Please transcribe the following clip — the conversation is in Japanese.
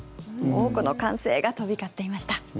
多くの歓声が飛び交っていました。